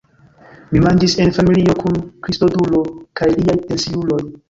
Mi manĝis en familio kun Kristodulo kaj liaj pensiuloj.